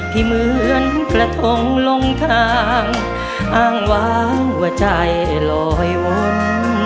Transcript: ที่เหมือนกระทงลงทางอ้างวางหัวใจลอยวน